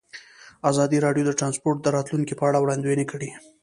ازادي راډیو د ترانسپورټ د راتلونکې په اړه وړاندوینې کړې.